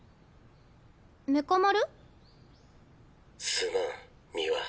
すまん三輪。